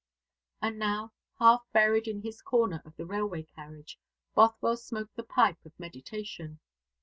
And now, half buried in his corner of the railway carriage, Bothwell smoked the pipe of meditation.